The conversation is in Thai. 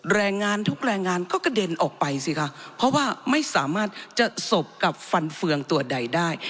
แรงงานทุกแรงงานก็กระเด็นออกไปสิคะเพราะว่าไม่สามารถจะสบกับฟันเฟืองตัวใดได้